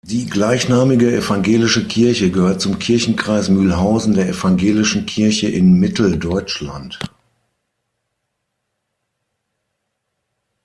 Die gleichnamige evangelische Kirche gehört zum Kirchenkreis Mühlhausen der Evangelischen Kirche in Mitteldeutschland.